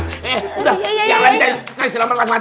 yaudah jangan saya selamat mas mas